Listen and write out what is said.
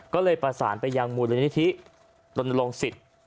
ก็เลยประสานไปยังมูลนิธิรณรงสิทธิ์